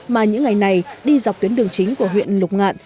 mà những ngày này đi dọc tuyến đường chính của huyện lục ngạn